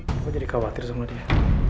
ibu jadi khawatir sama dia